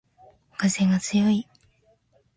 かぜがつよい